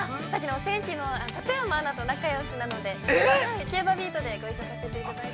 ◆お天気の館山アナと仲よしなので、「ＫＥＩＢＡＢＥＡＴ」でご一緒させていただいて。